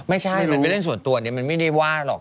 ไม่ใช่มันเป็นเรื่องส่วนตัวเนี่ยมันไม่ได้ว่าหรอก